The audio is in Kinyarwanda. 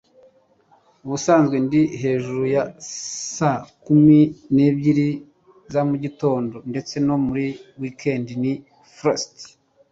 ubusanzwe ndi hejuru ya saa kumi n'ebyiri za mugitondo, ndetse no muri wikendi - nick frost